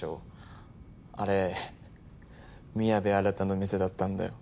あれ宮部新の店だったんだよ。